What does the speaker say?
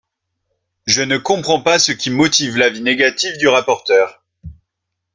Je ne comprends pas ce qui motive l’avis négatif du rapporteur.